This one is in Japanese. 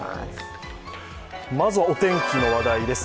まずはお天気の話題です。